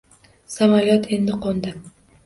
Samolyot endi qo'ndi.